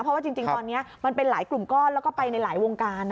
เพราะว่าจริงตอนนี้มันเป็นหลายกลุ่มก้อนแล้วก็ไปในหลายวงการ